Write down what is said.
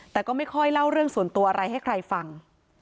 แต่ก็ไม่ค่อยเล่าเรื่องส่วนตัวอะไรให้ใครฟัง